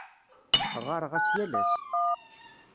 Ɣɣareɣ-as yal ass.